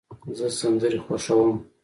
زه سندرې خوښوم.